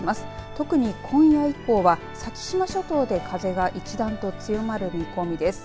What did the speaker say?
特に今夜以降は先島諸島で風が一段と強まる見込みです。